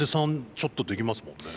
ちょっとできますもんね。